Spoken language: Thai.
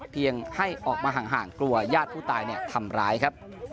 เพียงให้ออกมาห่างกลัวญาติผู้ตายทำร้ายครับ